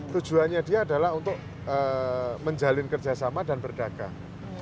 tujuannya dia adalah untuk menjalin kerjasama dan berdagang